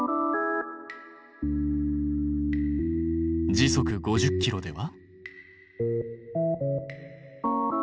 時速５０ｋｍでは？